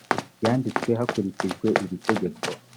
yanditswe hakurikijwe iri tegeko